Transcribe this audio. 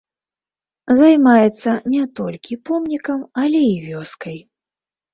Займаецца не толькі помнікам, але і вёскай.